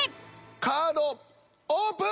カードオープン！